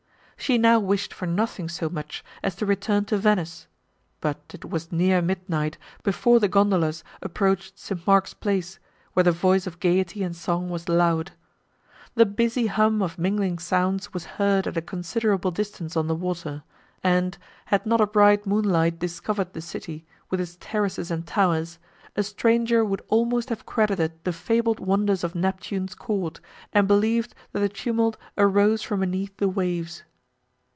She now wished for nothing so much as to return to Venice, but it was near midnight before the gondolas approached St. Mark's Place, where the voice of gaiety and song was loud. The busy hum of mingling sounds was heard at a considerable distance on the water, and, had not a bright moonlight discovered the city, with its terraces and towers, a stranger would almost have credited the fabled wonders of Neptune's court, and believed, that the tumult arose from beneath the waves.